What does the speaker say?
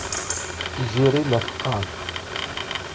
Tiziri la tt-teqqar.